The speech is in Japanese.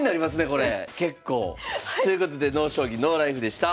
これ結構。ということで「ＮＯ将棋ＮＯＬＩＦＥ」でした。